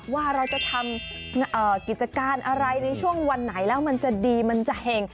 ว่าเราจะทำกิจการอะไรในช่วงวันไหนแล้วมันจะดีมันจะเห็ง